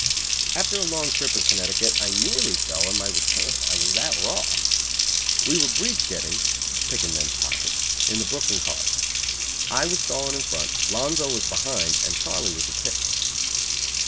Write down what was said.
After a long trip in Connecticut I nearly fell on my return, I was that raw. We were breech getting (picking men's pockets) in the Brooklyn cars. I was stalling in front, Lonzo was behind and Charlie was the pick.